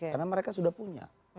karena mereka sudah punya